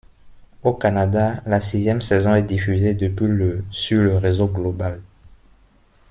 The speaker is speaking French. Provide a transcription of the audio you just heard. Au Canada, la sixième saison est diffusée depuis le sur le réseau Global.